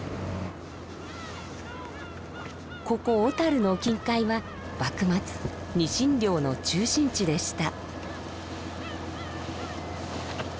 ここ小樽の近海は幕末にしん漁の中心地でした。